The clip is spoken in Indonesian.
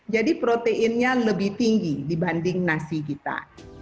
jadi proteinnya lebih tinggi dibanding nasi kita